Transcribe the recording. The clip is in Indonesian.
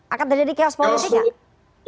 akan terjadi chaos politik nggak